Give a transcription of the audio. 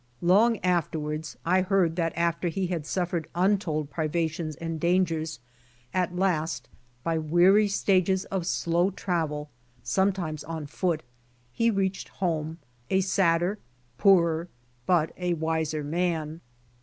Long afterwards I heard that after he had suffered untold privations and dangers, at last by weary stages of slow travel, sometimes on foot, he reached home, a sadder, poorer, but a wiser man.